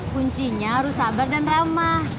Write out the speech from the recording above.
kuncinya harus sabar dan ramah